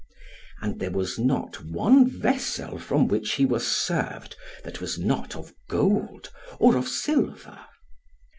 And there was not one vessel from which he was served, that was not of gold, or of silver.